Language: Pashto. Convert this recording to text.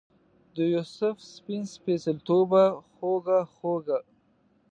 دیوسف سپین سپیڅلتوبه خوږه خوږه